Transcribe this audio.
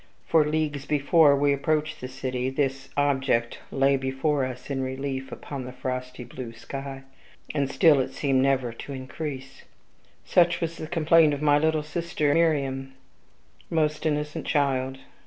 For leagues before we approached the city, this object lay before us in relief upon the frosty blue sky; and still it seemed never to increase. Such was the complaint of my little sister Mariamne. Most innocent child!